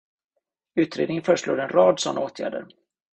Utredningen föreslår en rad sådana åtgärder.